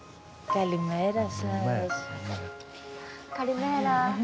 カリメーラ。